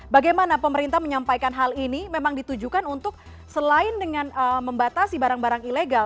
bagaimana pemerintah menyampaikan hal ini memang ditujukan untuk selain dengan membatasi barang barang ilegal